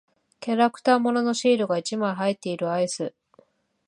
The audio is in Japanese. キャラクター物のシールが一枚入っているアイス。